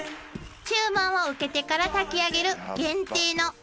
［注文を受けてから炊き上げる限定の］